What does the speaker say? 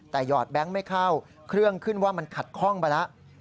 แต่หอดแบงค์ไม่เข้าเครื่องขึ้นว่ามันขัดข้องไปแล้ว